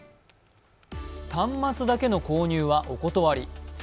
端末だけの購入はお断り。